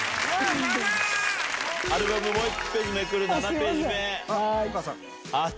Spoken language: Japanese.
アルバムもう１ページめくる７ページ目。